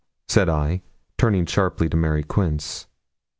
said I, turning sharply to Mary Quince.